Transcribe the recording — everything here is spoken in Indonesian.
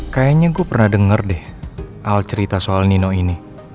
kayaknya gue pernah denger deh al cerita soal nino ini